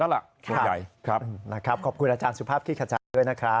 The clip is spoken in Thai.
แล้วล่ะครับนะครับขอบคุณอาจารย์สุภาพคิดขจังด้วยนะครับ